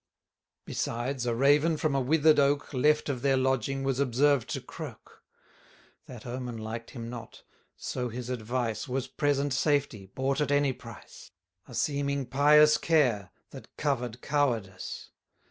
Besides, a Raven from a wither'd oak, Left of their lodging, was observed to croak. That omen liked him not; so his advice Was present safety, bought at any price; A seeming pious care, that cover'd cowardice.